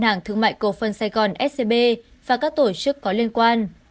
hãng thương mại cổ phân sài gòn scb và các tổ chức có liên quan